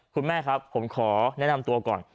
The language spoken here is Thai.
คุณแม่ครับผมขอแนะนำตัวก่อน